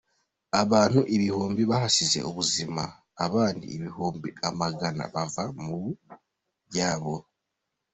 Abantu ibihumbi bahasize ubuzima abandi ibihumbi amagana bava mu byabo.